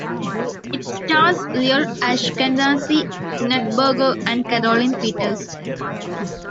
It stars Lior Ashkenazi, Knut Berger, and Caroline Peters.